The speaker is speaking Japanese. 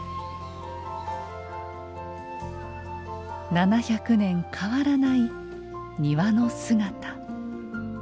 ７００年変わらない庭の姿。